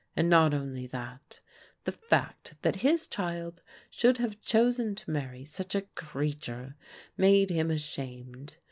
And not only that : The fact that his child should have chosen to marry such a creature made him ashamed.